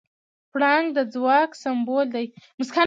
پړانګ د ځواک سمبول دی.